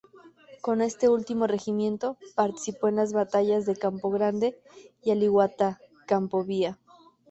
Con este último regimiento participó en las batallas de Campo Grande y Alihuatá-Campo Vía.